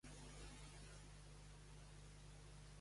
Combregar general i enterro per l'amor de Déu.